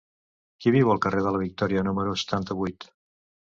Qui viu al carrer de la Victòria número setanta-vuit?